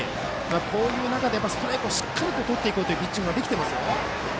こういう中でストライクをしっかりととっていこうというピッチングができていますよね。